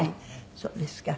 そうですか。